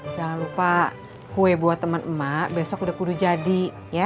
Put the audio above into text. jangan lupa kue buat teman emak besok udah kudu jadi